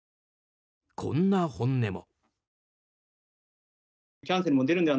こんな本音も。